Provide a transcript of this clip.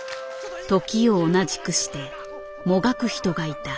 時を同じくしてもがく人がいた。